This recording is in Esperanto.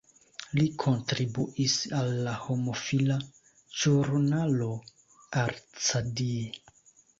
Li kontribuis al la homofila ĵurnalo "Arcadie".